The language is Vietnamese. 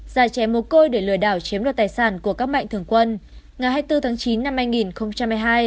giả chém mồ côi để lừa đảo chiếm luật tài sản của các mạnh thường quân ngày hai mươi bốn tháng chín năm hai nghìn một mươi hai